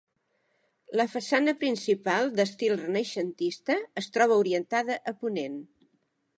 La façana principal, d'estil renaixentista, es troba orientada a ponent.